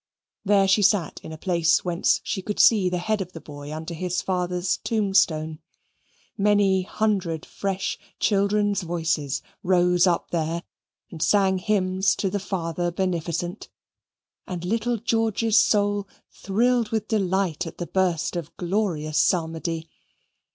There she sat in a place whence she could see the head of the boy under his father's tombstone. Many hundred fresh children's voices rose up there and sang hymns to the Father Beneficent, and little George's soul thrilled with delight at the burst of glorious psalmody.